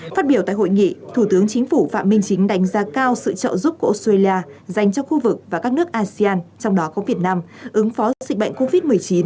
phát biểu tại hội nghị thủ tướng chính phủ phạm minh chính đánh giá cao sự trợ giúp của australia dành cho khu vực và các nước asean trong đó có việt nam ứng phó dịch bệnh covid một mươi chín